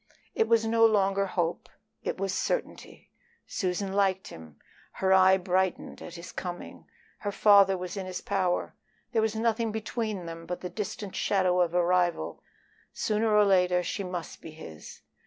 It was no longer hope, it was certainty. Susan liked him; her eye brightened at his coming; her father was in his power. There was nothing between them but the distant shadow of a rival; sooner or later she must be his.